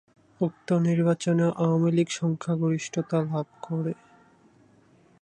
উক্ত নির্বাচনেও আওয়ামী লীগ সংখ্যাগরিষ্ঠতা লাভ করে।